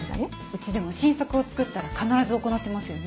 うちでも新作を作ったら必ず行ってますよね。